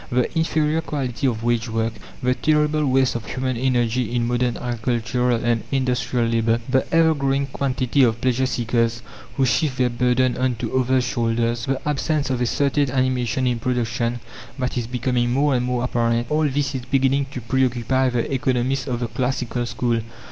The inferior quality of wage work, the terrible waste of human energy in modern agricultural and industrial labour, the ever growing quantity of pleasure seekers, who shift their burden on to others' shoulders, the absence of a certain animation in production that is becoming more and more apparent; all this is beginning to preoccupy the economists of the "classical" school.